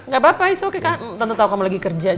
gapapa it's okay kan tante tau kamu lagi kerja juga